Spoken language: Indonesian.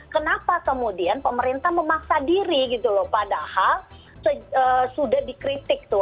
kenapa kemudian pemerintah memaksa diri gitu loh padahal sudah dikritik tuh